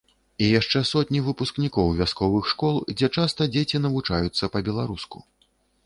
І яшчэ сотні выпускнікоў вясковых школ, дзе часта дзеці навучаюцца па-беларуску.